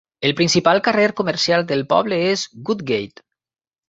El principal carrer comercial del poble és Woodgate.